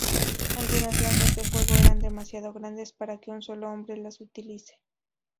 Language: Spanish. Algunas lanzas de fuego eran demasiado grandes para que un solo hombre las utilice.